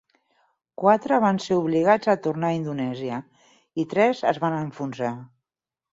Quatre van ser obligats a tornar a Indonèsia, i tres es van enfonsar.